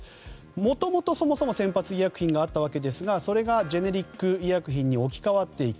もともとそもそも先発医薬品があったわけですがそれがジェネリック医薬品に置き換わっていく。